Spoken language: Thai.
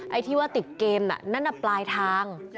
ไอ้ที่ว่าติดเกมน่ะนั่นน่ะปลายทาง